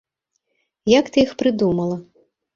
Як ты іх прыдумала?